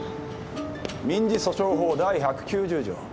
民事訴訟法第１９０条。